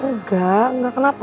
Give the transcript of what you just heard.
enggak enggak kenapa